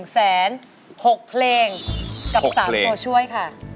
๑๖เพลงกับ๓ตัวช่วยค่ะ